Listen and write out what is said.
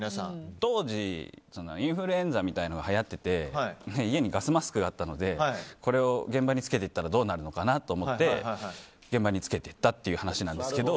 当時インフルエンザみたいなのがはやってて家にガスマスクがあったのでこれを現場につけていったらどうなるのかなと思って現場に着けていったという話ですけど。